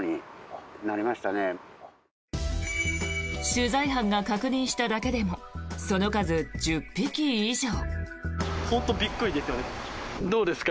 取材班が確認しただけでもその数１０匹以上。